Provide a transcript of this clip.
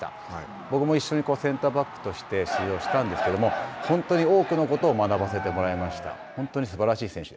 僕も一緒にセンターバックとして出場したんですけれども、本当に多くのことを学ばせてもらいました。